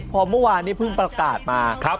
พอเมื่อวานนี้เพิ่งประกาศมา